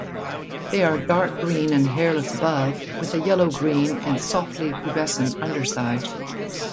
They are dark green and hairless above, with a yellow-green and softly pubescent underside.